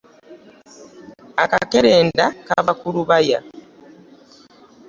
Akakerenda kava ku lubaya.